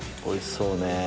おいしそうね。